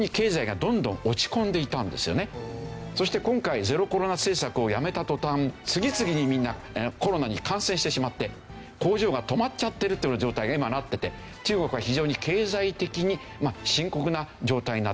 ホントにそして今回ゼロコロナ政策をやめた途端次々にみんなコロナに感染してしまって工場が止まっちゃってるっていうような状態が今なってて中国は非常に経済的に深刻な状態になってきている。